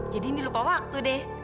jadi indi lupa waktu deh